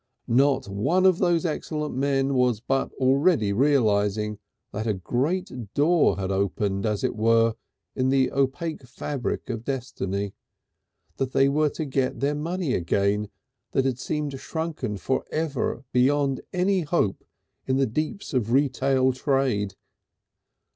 Not one of those excellent men but was already realising that a great door had opened, as it were, in the opaque fabric of destiny, that they were to get their money again that had seemed sunken for ever beyond any hope in the deeps of retail trade.